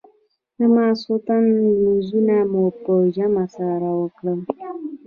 د ماخستن لمونځونه مو په جمع سره وکړل.